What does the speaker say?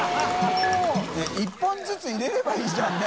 佑１本ずつ入れればいいじゃんね。